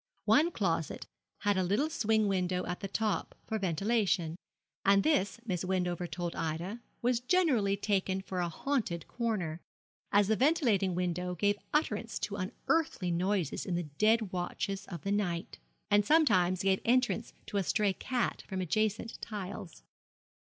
One closet had a little swing window at the top for ventilation, and this, Miss Wendover told Ida, was generally taken for a haunted corner, as the ventilating window gave utterance to unearthly noises in the dead watches of the night, and sometimes gave entrance to a stray cat from adjacent tiles.